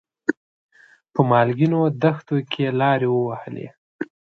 په مالګینو دښتونو کې لارې ووهلې.